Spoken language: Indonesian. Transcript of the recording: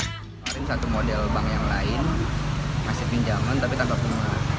kemarin satu model bank yang lain ngasih pinjaman tapi tanpa bunga